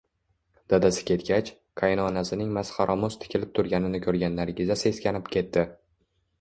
Dadasi ketgach, qaynonasining masxaromuz tikilib turganini ko`rgan Nargiza seskanib ketdi